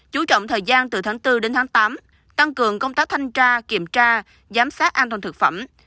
chú trọng thời gian từ tháng bốn đến tháng tám tăng cường công tác thanh tra kiểm tra giám sát an toàn thực phẩm